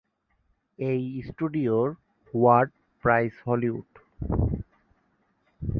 এই স্টুডিওর "what price Hollywood?"